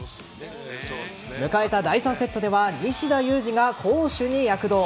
迎えた第３セットでは西田有志が攻守に躍動。